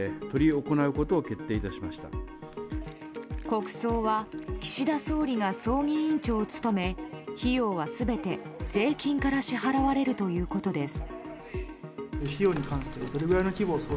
国葬は岸田総理が葬儀委員長を務め費用は全て税金から支払われるということです。